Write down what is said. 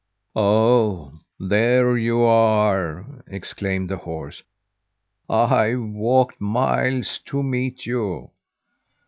"Oh, there you are!" exclaimed the horse. "I've walked miles to meet you!"